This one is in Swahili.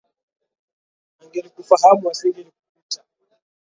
Angelikufahamu asingelikupita.